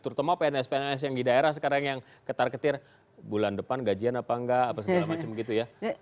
terutama pns pns yang di daerah sekarang yang ketar ketir bulan depan gajian apa enggak apa segala macam gitu ya